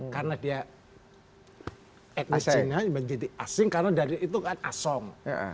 karena dia etnis cina menjadi asing karena dari itu kan asong